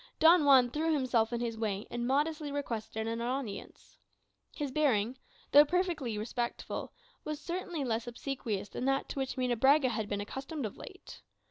Don Juan threw himself in his way, and modestly requested an audience. His bearing, though perfectly respectful, was certainly less obsequious than that to which Munebrãga had been accustomed of late.